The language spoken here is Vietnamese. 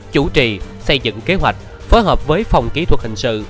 chủ trì xây dựng kế hoạch phối hợp với phòng kỹ thuật hình sự